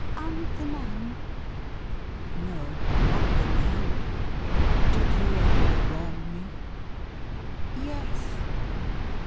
" And the man ?" "No, not the man. Did he ever wrong me?" "Yes."